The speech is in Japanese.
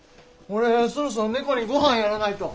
俺そろそろ猫にごはんやらないと。